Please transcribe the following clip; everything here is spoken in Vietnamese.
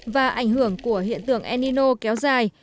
và ảnh hưởng của hiện tượng enino kéo dài